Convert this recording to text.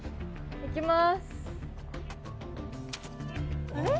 いきます。